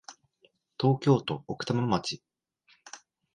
東京都奥多摩町